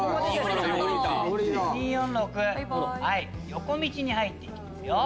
横道に入って行きますよ。